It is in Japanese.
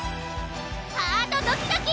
ハートドキドキ！